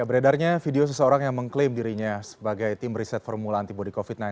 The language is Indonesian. beredarnya video seseorang yang mengklaim dirinya sebagai tim riset formula antibody covid sembilan belas